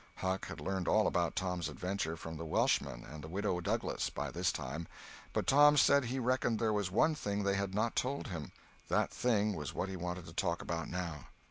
Huck had learned all about Tom's adventure from the Welshman and the Widow Douglas, by this time, but Tom said he reckoned there was one thing they had not told him; that thing was what he wanted to talk about now.